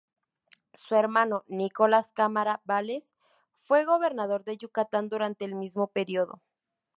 Su hermano, Nicolás Cámara Vales fue Gobernador de Yucatán durante el mismo periodo.